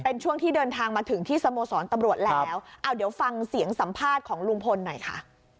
เป็นช่วงที่เดินทางมาถึงที่สโมสรตำรวจแล้วเอาเดี๋ยวฟังเสียงสัมภาษณ์ของลุงพลหน่อยค่ะ